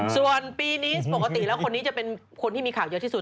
ส่วนปีนี้ปกติแล้วคนนี้จะเป็นคนที่มีข่าวเยอะที่สุด